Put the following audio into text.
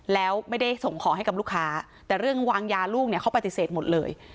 แล้วไม่ได้ส่งของให้กับลูกค้าแต่เรื่องวางยาลูกเนี่ยเขาปฏิเสธหมดเลย